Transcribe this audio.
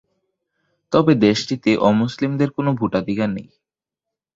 তবে দেশটিতে অমুসলিমদের কোনো ভোটাধিকার নেই।